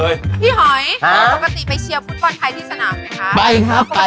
พี่หอยปกติว่าไปเชียวบทบอนไพ่ที่สนามไหมคะ